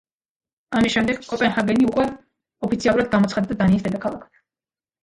ამის შემდეგ, კოპენჰაგენი უკვე ოფიციალურად გამოცხადდა დანიის დედაქალაქად.